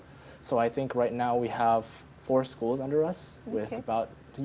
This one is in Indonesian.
jadi saya pikir sekarang kita memiliki empat sekolah di bawah kita